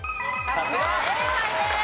正解です。